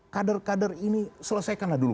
kader kader ini selesaikanlah dulu